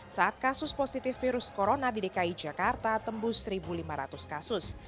saat kasus positif virus corona di dki jakarta tembus satu lima ratus kasus